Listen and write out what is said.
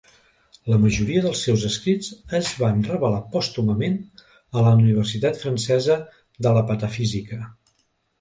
La majoria dels seus escrits es van revelar pòstumament a la universitat francesa de la patafísica.